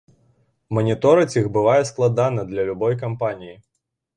Маніторыць іх бывае складана для любой кампаніі.